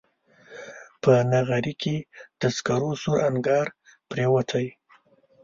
په نغري کې د سکرو سور انګار پرېوتی